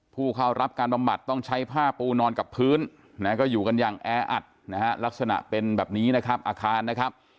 ผู้เข้ารับการบำบัดต้องใช้ผ้าปูนอนกับพื้นนะก็อยู่กันอย่างแออัดนะฮะลักษณะเป็นแบบนี้นะครับอาคารนะครับ